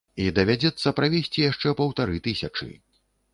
І давядзецца правесці яшчэ паўтары тысячы.